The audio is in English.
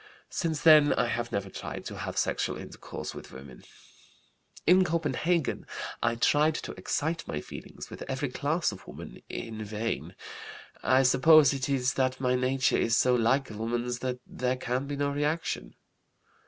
Since then I have never tried to have sexual intercourse with women. "In Copenhagen I tried to excite my feelings with every class of woman, in vain. I suppose it is that my nature is so like woman's that there can be no reaction.